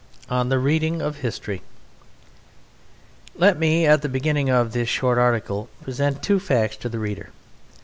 On the Reading of History Let me at the beginning of this short article present two facts to the reader.